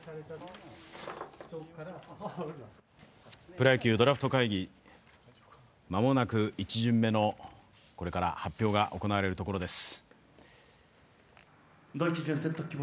プロ野球ドラフト会議、間もなく１巡目の発表が行われるところです。